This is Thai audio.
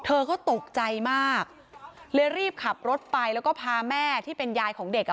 เธอก็ตกใจมากเลยรีบขับรถไปแล้วก็พาแม่ที่เป็นยายของเด็กอ่ะ